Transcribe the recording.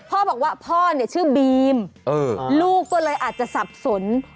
พ่อบอกว่าพ่อเนี่ยชื่อบีมลูกก็เลยอาจจะสับสน